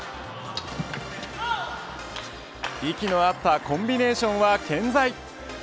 息の合ったコンビネーションは健在。